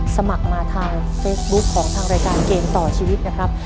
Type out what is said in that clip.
สมัครมาทางเฟซบุ๊คของทางรายการเกมต่อชีวิตนะครับ